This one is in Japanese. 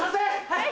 はい！